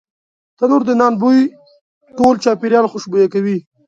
تنور د نان بوی ټول چاپېریال خوشبویه کوي